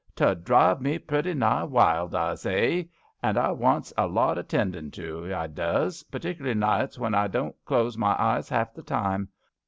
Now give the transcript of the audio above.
T'ud drive me pretty nigh wild,' I zays. And I wants a lot o' tendin' to, I does, particlar' nights, when I doant close my eyes 'alf the time.